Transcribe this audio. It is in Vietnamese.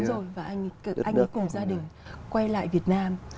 rồi và anh ấy cùng gia đình quay lại việt nam